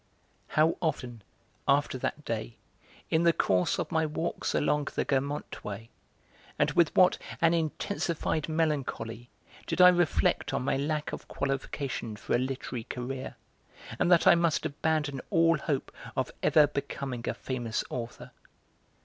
How often, after that day, in the course of my walks along the 'Guermantes way,' and with what an intensified melancholy did I reflect on my lack of qualification for a literary career, and that I must abandon all hope of ever becoming a famous author.